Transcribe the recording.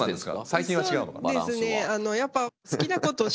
最近は違うのかな？